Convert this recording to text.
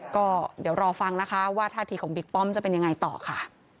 ก็เดี๋ยวรอฟังนะคะว่าท่าทีของบิ๊กป้อมจะเป็นยังไงต่อค่ะ